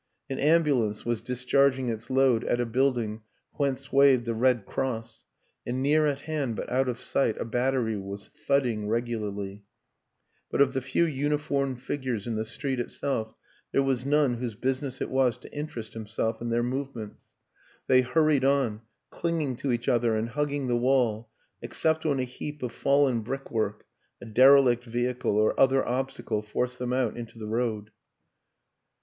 An ambulance was discharging its load at a building whence waved the Red Cross, and near at hand, but out of sight, a battery was thudding regularly; but of the few uniformed figures in the street itself there was none whose business it was to interest himself in their move ments. They hurried on, clinging to each other and hugging the wall except when a heap of fallen brickwork, a derelict vehicle or other ob stacle forced them out into the road.